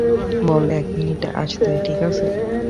বল এক মিনিটে আসছি, ঠিক আছে?